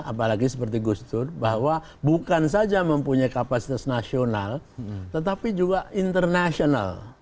apalagi seperti gus dur bahwa bukan saja mempunyai kapasitas nasional tetapi juga internasional